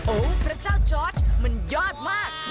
โอ้โหพระเจ้าจอร์ดมันยอดมาก